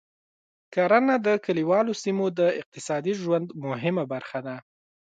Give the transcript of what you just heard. کرنه د کليوالو سیمو د اقتصادي ژوند مهمه برخه ده.